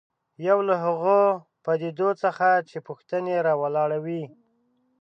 یو له هغو پدیدو څخه چې پوښتنې راولاړوي.